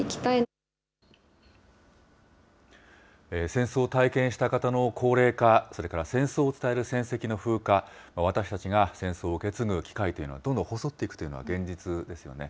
戦争を体験した方の高齢化、それから戦争を伝える戦跡の風化、私たちが戦争を受け継ぐ機会というのはどんどん細っていくというのは現実ですよね。